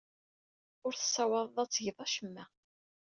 Ur tessawaḍed ad tged acemma.